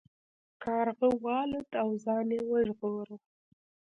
کارغه والوت او ځان یې وژغوره.